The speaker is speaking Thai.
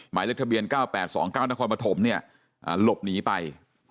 หมายเลขทะเบียน๙๘๒๙นครปฐมเนี่ยหลบหนีไป